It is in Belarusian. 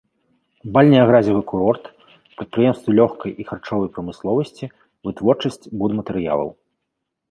Бальнеагразевы курорт, прадпрыемствы лёгкай і харчовай прамысловасці, вытворчасць будматэрыялаў.